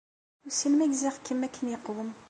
Wissen ma gziɣ-kem akken yeqwem.